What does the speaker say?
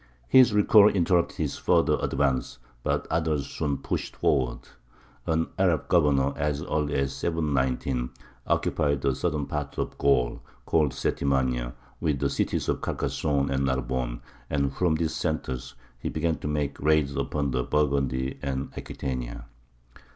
His recall interrupted his further advance; but others soon pushed forward. An Arab governor, as early as 719, occupied the southern part of Gaul, called Septimania, with the cities of Carcasonne and Narbonne, and from these centres he began to make raids upon Burgundy and Aquitania.